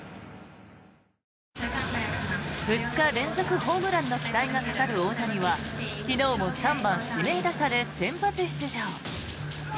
２日連続ホームランの期待がかかる大谷は昨日も３番指名打者で先発出場。